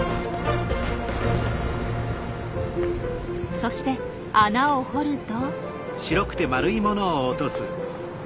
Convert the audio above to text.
そして穴を掘ると。